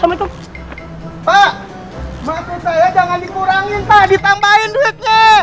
haika udah dateng